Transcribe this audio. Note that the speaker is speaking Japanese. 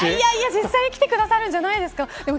実際に来てくださるんじゃないですか。